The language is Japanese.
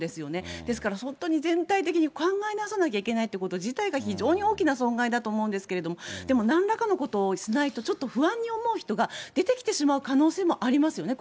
ですから本当に全体的に考え直さなきゃいけないということ自体が、非常に大きな損害だと思うんですけれども、でもなんらかのことをしないと、ちょっと不安に思う人が出てきてしまう可能性もありま